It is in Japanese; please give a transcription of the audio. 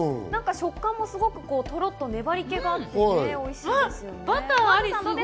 食感もすごくトロっと粘り気があって、おいしいですよね。